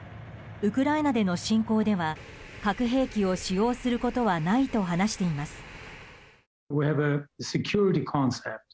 ウクライナでの侵攻では核兵器を使用することはないと話しています。